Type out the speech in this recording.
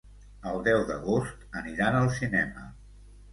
El deu d'agost aniran al cinema.